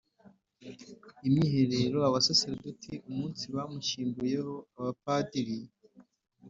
imyiherero abasaserdotib’ umunsi bamushyinguyeho, abapadiri